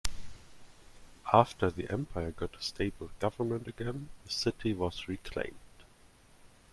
After the empire got a stable government again, the city was reclaimed.